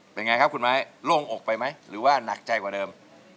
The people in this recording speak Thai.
เป็นไงครับคุณไม้โล่งอกไปไหมหรือว่าหนักใจกว่าเดิม